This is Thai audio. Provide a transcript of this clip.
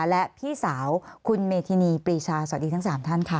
และพี่สาวคุณเมธินีปรีชาสวัสดีทั้ง๓ท่านค่ะ